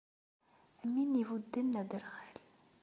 Am win ibudden aderɣal.